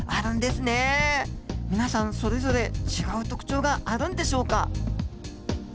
皆さんそれぞれ違う特徴があるんでしょうか？